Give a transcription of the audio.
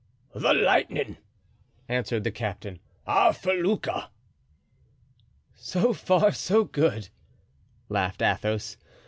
"The Lightning," answered the captain, "our felucca." "So far, so good," laughed Athos.